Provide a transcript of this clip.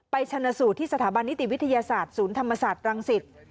ชนสูตรที่สถาบันนิติวิทยาศาสตร์ศูนย์ธรรมศาสตร์รังสิต